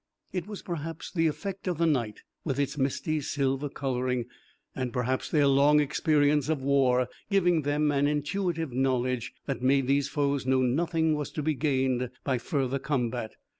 It was perhaps the effect of the night, with its misty silver coloring, and perhaps their long experience of war, giving them an intuitive knowledge, that made these foes know nothing was to be gained by further combat.